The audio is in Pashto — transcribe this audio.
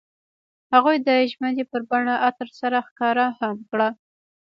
هغوی د ژمنې په بڼه عطر سره ښکاره هم کړه.